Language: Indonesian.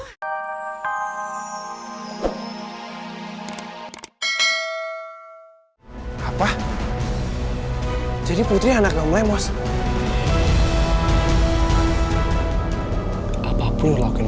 sampai jumpa di video selanjutnya